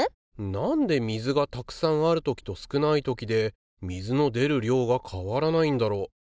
なんで水がたくさんある時と少ない時で水の出る量が変わらないんだろう。